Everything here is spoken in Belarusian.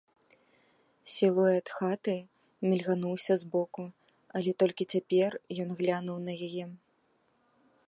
Сілуэт хаты мільгануўся збоку, але толькі цяпер ён глянуў на яе.